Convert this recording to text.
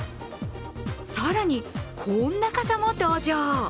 更に、こんな傘も登場。